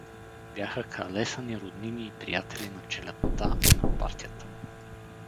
Бяха калесани роднини и приятели на челядта и на партията му.